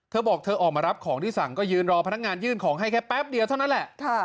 เธอบอกเธอออกมารับของที่สั่งก็ยืนรอพนักงานยื่นของให้แค่แป๊บเดียวเท่านั้นแหละ